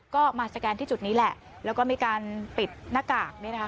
ก็มาสแกนที่จุดนี้แหละแล้วก็มีการปิดหน้ากาก